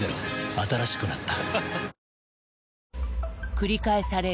新しくなった